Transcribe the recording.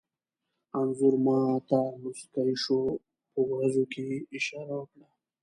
انځور ما ته موسکی شو، په وروځو کې یې اشاره وکړه.